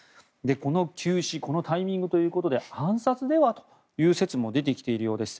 この急死このタイミングということで暗殺ではという説も出てきているようです。